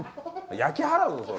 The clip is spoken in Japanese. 焼き払うぞ、これ。